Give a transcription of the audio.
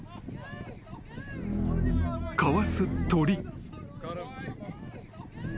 ［かわす鳥］